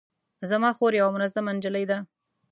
زما خور یوه منظمه نجلۍ ده